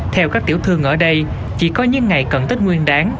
theo các tiểu thương ở đây chỉ có những ngày cận tết nguyên đáng